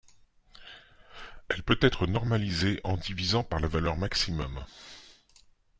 Elle peut être normalisée en divisant par la valeur maximum.